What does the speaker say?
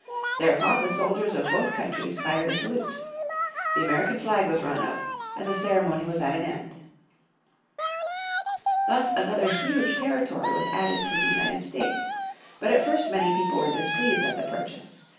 Thereupon the soldiers of both countries fired a salute. The American flag was run up, and the ceremony was at an end. Thus another huge territory was added to the United States. But at first many people were displeased at the purchase.